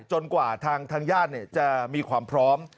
กว่าทางญาติจะมีความพร้อม